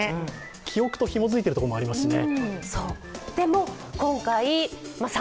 記憶とひもづいているところもありますしね。